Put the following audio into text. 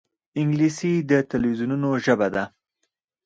انګلیسي د تلویزونونو ژبه ده